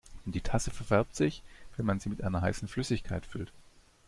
Die Tasse verfärbt sich, wenn man sie mit einer heißen Flüssigkeit füllt.